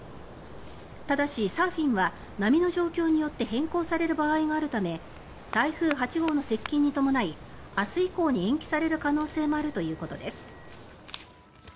ただし、サーフィンは波の状況によって変更される場合があるため台風８号の接近に伴い明日以降に延期される可能性もあるということです。